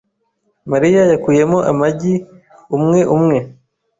Mariya yakuyemo amagi umwe umwe .